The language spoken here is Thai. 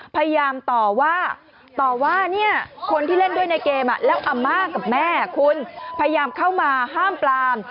พยายามต่อว่าต่อว่าเนี่ยคนที่เล่นด้วยในเกมแล้วอาม่ากับแม่คุณพยายามเข้ามาห้ามปลาม